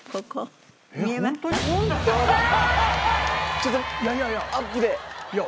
ちょっとアップで。